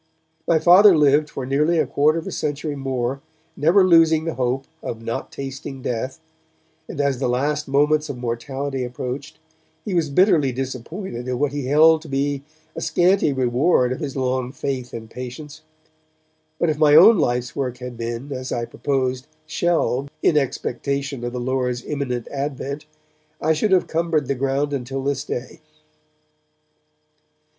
My Father lived for nearly a quarter of a century more, never losing the hope of 'not tasting death', and as the last moments of mortality approached, he was bitterly disappointed at what he held to be a scanty reward of his long faith and patience. But if my own life's work had been, as I proposed, shelved in expectation of the Lord's imminent advent, I should have cumbered the ground until this day.